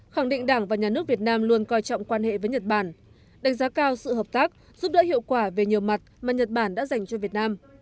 khẳng định đảng và nhà nước việt nam luôn coi trọng quan hệ với nhật bản đánh giá cao sự hợp tác giúp đỡ hiệu quả về nhiều mặt mà nhật bản đã dành cho việt nam